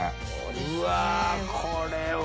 うわこれは。